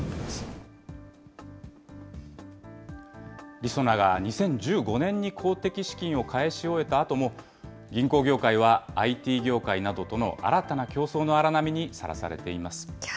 りそなが２０１５年に公的資金を返し終えたあとも、銀行業界はＩＴ業界などとの新たな競争の荒波にさらされています。